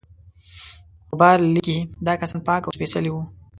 غبار لیکي دا کسان پاک او سپیڅلي وه.